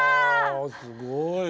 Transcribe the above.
すごい。